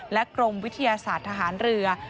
และกรมวิทยาศาสตร์ทหารเรือ